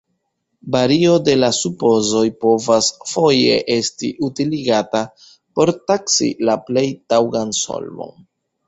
Vario de la supozoj povas foje esti utiligata por taksi la plej taŭgan solvon.